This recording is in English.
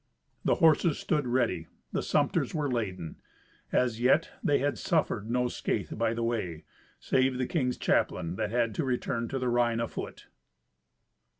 The horses stood ready, the sumpters were laden. As yet they had suffered no scathe by the way, save the king's chaplain, that had to return to the Rhine afoot.